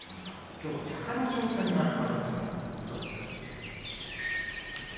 今日は隆の勝戦が組まれました北勝富士です。